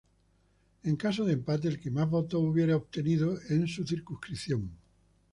En caso de empate, el que más votos hubiere obtenido en su circunscripción.